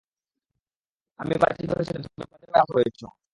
আমি বাজি ধরেছিলাম তুমি বাজেভাবে আহত হয়েছ।